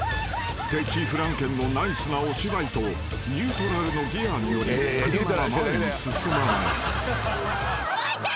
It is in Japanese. ［敵フランケンのナイスなお芝居とニュートラルのギアにより車が前に進まない］